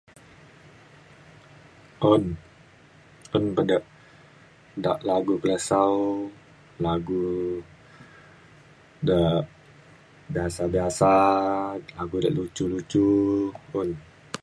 un un bada da lagu kelesau lagu da biasa biasa lagu da lucu lucu un